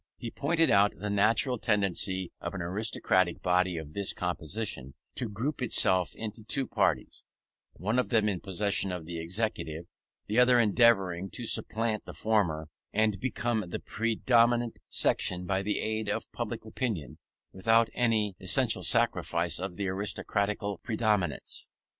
He pointed out the natural tendency of an aristocratic body of this composition, to group itself into two parties, one of them in possession of the executive, the other endeavouring to supplant the former and become the predominant section by the aid of public opinion, without any essential sacrifice of the aristocratical predominance.